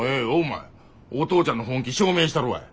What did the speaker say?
お父ちゃんの本気証明したるわい。